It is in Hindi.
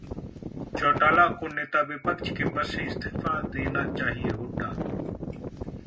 चौटाला को नेता विपक्ष के पद से इस्तीफा देना चाहिए: हुड्डा